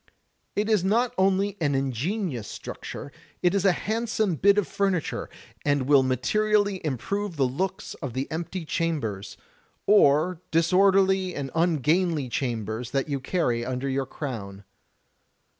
It is not only an ingenious structure, it is a handsome bit of furniture, and will materially improve the looks of the empty chambers, or disorderly or ungainly chambers that you carry imder your crown.